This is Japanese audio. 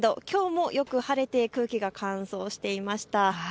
きょうもよく晴れて空気が乾燥していました。